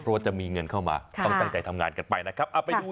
เพราะว่าจะมีเงินเข้ามาต้องตั้งใจทำงานกันไปนะครับ